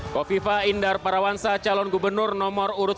kami awali dari pasangan nomor urut satu